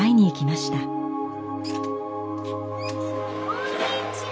こんにちは。